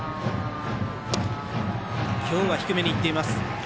今日は低めにいっています。